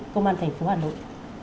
công an tp hà nội